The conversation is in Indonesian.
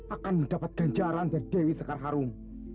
akan mendapatkan jalan yang dewi sekar harum